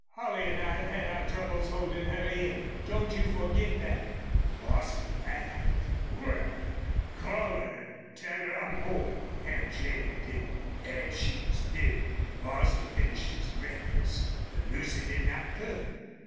"Holley and I have had our troubles holding her in. Don't you forget that." Bostil laughed. "Wal, call her an' tell her I'm home." Aunt Jane did as she was bidden. Bostil finished his breakfast. But Lucy did not come.